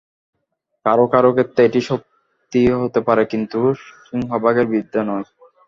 কারও কারও ক্ষেত্রে এটি সত্যি হতে পারে, কিন্তু সিংহভাগের বিরুদ্ধে নয়।